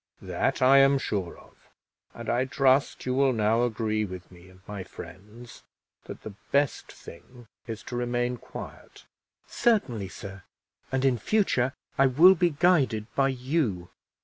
"That I am sure of; and I trust you will now agree with me and my friends that the best thing is to remain quiet." "Certainly, sir, and in future I will be guided by you."